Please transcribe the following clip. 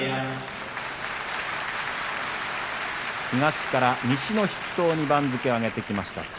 東から西の筆頭の番付に上げてきました